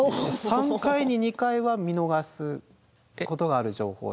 ３回に２回は見逃すことがある情報。